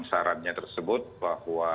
sarannya tersebut bahwa